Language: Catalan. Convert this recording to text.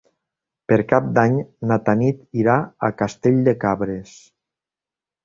Per Cap d'Any na Tanit irà a Castell de Cabres.